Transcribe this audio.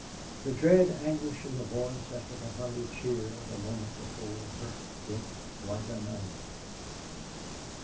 The dread anguish in the voice after the hearty cheer of a moment before hurt Dick like a knife.